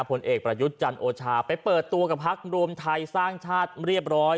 ภูนต์เอกประยุจรรย์โอชาไปเปิดตัวกับภักดิ์รวมไทยสร้างชาติเรียบร้อย